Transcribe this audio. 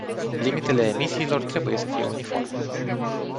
Limitele emisiilor trebuie să fie uniforme.